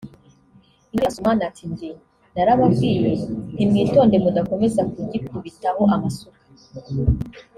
Ingabire Assouman ati “jye narababwiye nti mwitonde mudakomeza kugikubitaho amasuka